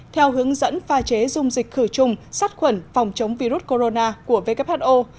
dung dịch khử chung sát khuẩn phòng chống virus corona của who